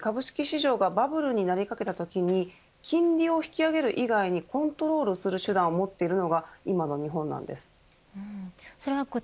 さらに株式市場がバブルになりかけたときに金利を引き上げる以外にコントロール手段を持っているのが今の日本なんです。